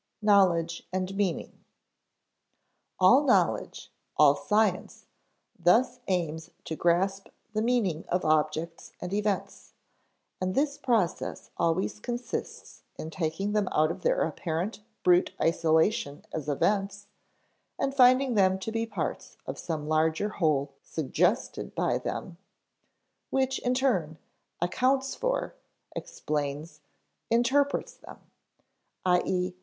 [Sidenote: Knowledge and meaning] All knowledge, all science, thus aims to grasp the meaning of objects and events, and this process always consists in taking them out of their apparent brute isolation as events, and finding them to be parts of some larger whole suggested by them, which, in turn, accounts for, explains, interprets them; _i.e.